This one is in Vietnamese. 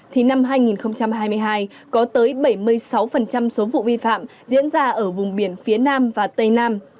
thì năm hai nghìn hai mươi hai có tới bảy mươi sáu số vụ vi phạm diễn ra ở vùng biển phía nam và tây nam